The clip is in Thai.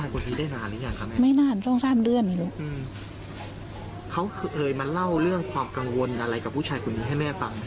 เขาเคยมาเล่าเรื่องความกังวลอะไรกับผู้ชายคนนี้ให้แม่ฟัง